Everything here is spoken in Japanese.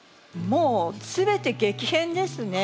もう全て激変ですね。